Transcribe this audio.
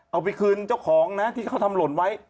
เอาไปคืนเจ้าของนะที่เขาทำหล่นไว้